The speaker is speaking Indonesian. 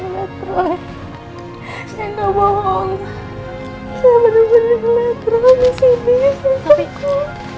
beneran saya ngelihat roy saya nggak bohong saya bener bener ngelihat roy di sini